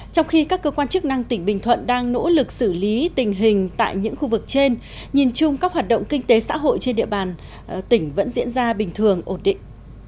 trong khi các cơ quan chức năng tỉnh bình thuận đang nỗ lực xử lý tình hình tại những khu vực trên nhìn chung các hoạt động kinh tế xã hội trên địa bàn tỉnh vẫn diễn ra bình thường ổn định